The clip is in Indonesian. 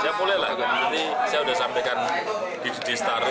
ya boleh lah saya sudah sampaikan di citarum